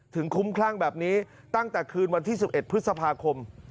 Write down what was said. คุ้มคลั่งแบบนี้ตั้งแต่คืนวันที่๑๑พฤษภาคม